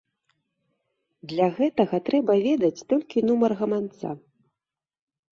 Для гэтага трэба ведаць толькі нумар гаманца.